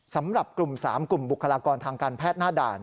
สำหรับกลุ่ม๓กลุ่มบุคลากรทางการแพทย์หน้าด่าน